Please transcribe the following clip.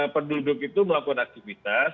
penduduk itu melakukan aktivitas